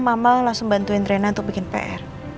mama langsung bantuin rena untuk bikin pr